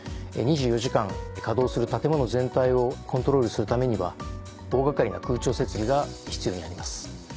２４時間稼働する建物全体をコントロールするためには大掛かりな空調設備が必要になります。